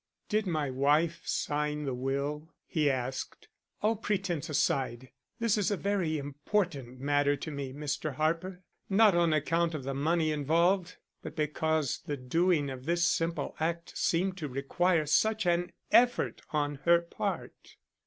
"Did my wife sign the will?" he asked. "All pretense aside, this is a very important matter to me, Mr. Harper; not on account of the money involved, but because the doing of this simple act seemed to require such an effort on her part."